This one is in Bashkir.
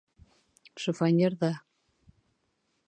Шифоньерҙа.